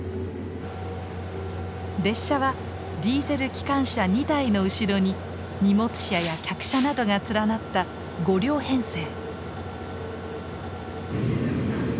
列車はディーゼル機関車２台の後ろに荷物車や客車などが連なった５両編成。